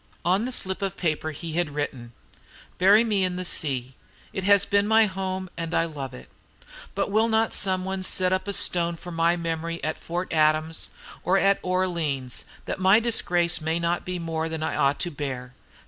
"On this slip of paper he had written: "'Bury me in the sea; it has been my home, and I love it. But will not some one set up a stone for my memory [Note 12] at Fort Adams or at Orleans, that my disgrace may not be more than I ought to bear?